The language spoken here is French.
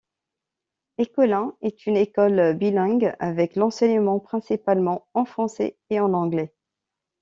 Ecolint est une école bilingue, avec l'enseignement principalement en français et en anglais.